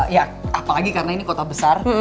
ya apalagi karena ini kota besar